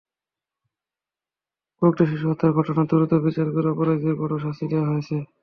কয়েকটি শিশু হত্যার ঘটনায় দ্রুত বিচার করে অপরাধীদের কঠোর শাস্তি দেওয়া হয়েছে।